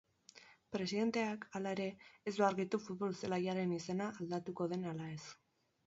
Presidenteak, halere, ez du argitu futbol-zelaiaren izena aldatuko den ala ez.